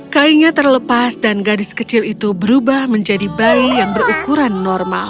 kainnya terlepas dan gadis kecil itu berubah menjadi bayi yang berukuran normal